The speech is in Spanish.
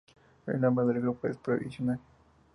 El nombre del grupo es provisional.